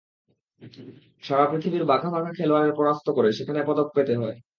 সারা পৃথিবীর বাঘা বাঘা খেলোয়াড়ের পরাস্ত করে সেখানে পদক পেতে হয়।